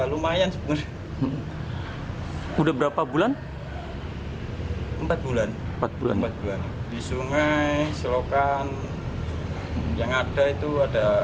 lumayan sebenarnya udah berapa bulan empat bulan empat bulan empat bulan di sungai selokan yang ada itu ada